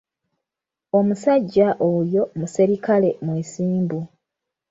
Omusajja oyo muserikale mwesimbu.